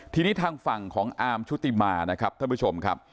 ทีนี้ทางฝั่งของอาร์มชุติมานะครับท่านผู้ชมครับ